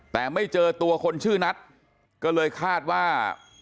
แต่ไม่เจอตัวคนชื่อนัทก็เลยคาดว่า